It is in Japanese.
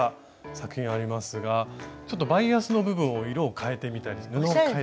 作品ありますがちょっとバイアスの部分を色を変えてみたり布を変えて。